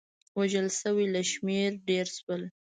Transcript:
وژل شوي له شمېر ډېر شول.